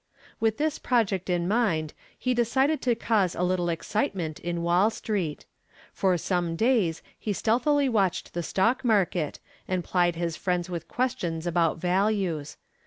With this project in mind he decided to cause a little excitement in Wall Street. For some days he stealthily watched the stock market and plied his friends with questions about values.